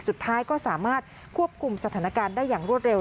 สุดท้ายก็สามารถควบคุมสถานการณ์ได้อย่างรวดเร็ว